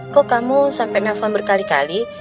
kok kamu sampai nelfon berkali kali